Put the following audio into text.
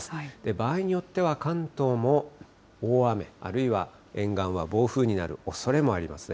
場合によっては関東も大雨、あるいは沿岸は暴風になるおそれもありますね。